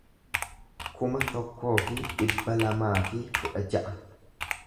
kuma tokkoo fi dhibba lamaa fi kudha ja'a